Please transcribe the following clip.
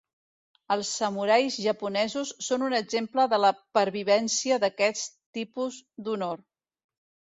Els samurais japonesos són un exemple de la pervivència d'aquest tipus d'honor.